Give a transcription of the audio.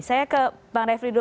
saya ke bang refli dulu